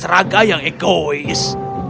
itu adalah cara mereka yang egois